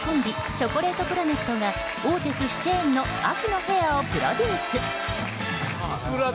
チョコレートプラネットが大手寿司チェーンの秋のフェアをプロデュース。